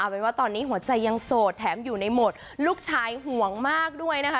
เป็นว่าตอนนี้หัวใจยังโสดแถมอยู่ในโหมดลูกชายห่วงมากด้วยนะคะ